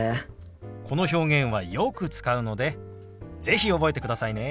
この表現はよく使うので是非覚えてくださいね。